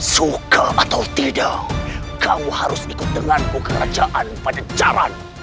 suka atau tidak kamu harus ikut dengan kekerajaan pajajaran